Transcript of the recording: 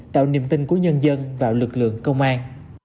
tạo niềm tin của nhân dân vào lực lượng công an